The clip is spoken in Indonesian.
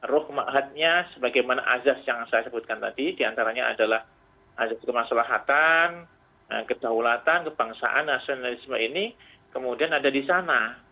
ruh mahatnya ⁇ sebagaimana azaz yang saya sebutkan tadi diantaranya adalah azas kemaslahatan kedaulatan kebangsaan nasionalisme ini kemudian ada di sana